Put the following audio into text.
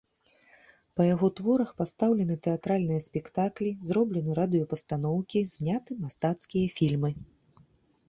Па яго творах пастаўлены тэатральныя спектаклі, зроблены радыёпастаноўкі, зняты мастацкія фільмы.